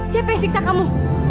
siapa yang siksa kamu